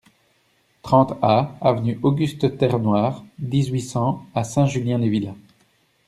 trente A avenue Auguste Terrenoire, dix, huit cents à Saint-Julien-les-Villas